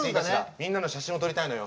みんなの写真を撮りたいのよ。